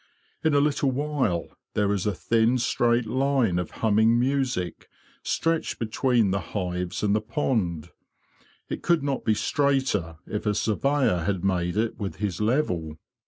In a little while there is a thin straight line of humming music stretched between the hives and the pond: it could not be straighter if a surveyor had made it with his level.